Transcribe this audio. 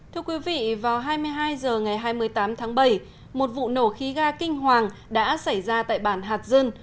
thưa quý vị vào hai mươi hai h ngày hai mươi tám tháng bảy một vụ nổ khí ga kinh hoàng đã xảy ra tại bản hạt dư